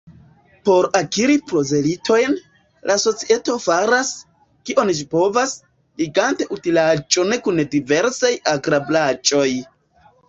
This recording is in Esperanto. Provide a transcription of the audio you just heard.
Por akiri prozelitojn, la societo faras, kion ĝi povas, ligante utilaĵon kun diversaj agrablaĵoj.